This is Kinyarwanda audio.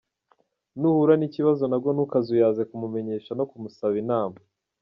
Nuhura n’ikibazo nabwo ntukazuyaze kumumenyesha no kumusaba inama.